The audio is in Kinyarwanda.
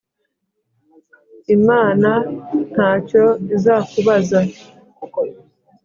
Imana nta cyo izakubaza